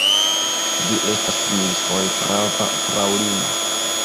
Vi estas milfoje prava, fraŭlino.